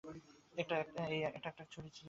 এটা একটা ছুরি ছিলো।